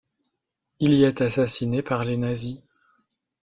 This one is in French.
Il y est assassiné par les nazis.